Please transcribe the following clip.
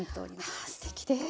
はあすてきです。